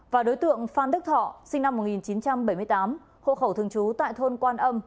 và đối tượng phan đức thọ sinh năm một nghìn chín trăm bảy mươi tám hộ khẩu thường trú tại thôn quan âm